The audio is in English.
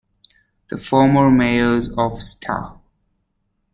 The former mayors of Sta.